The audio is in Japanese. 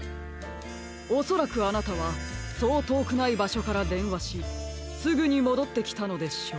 おそらくあなたはそうとおくないばしょからでんわしすぐにもどってきたのでしょう。